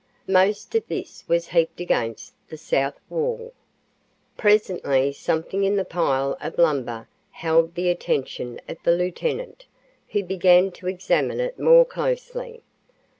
Most of this was heaped against the south wall. Presently something in the pile of lumber held the attention of the lieutenant, who began to examine it more closely.